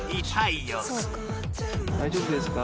大丈夫ですか？